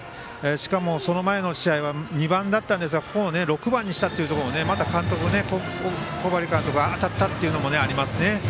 しかも、その前の試合は２番だったんですがここを６番にしたことでまた小針監督当たったというのもありますね。